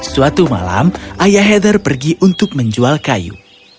suatu malam ayah heather pergi untuk menjual kayu